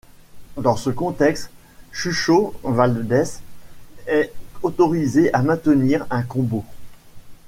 Dans ce contexte Chucho Valdès est autorisé à maintenir un combo.